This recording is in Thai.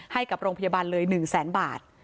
ให้กับโรงพยาบาลเลย๑แสนบาท